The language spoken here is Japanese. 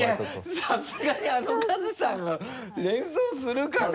いやさすがにあのカズさんは連想するかな？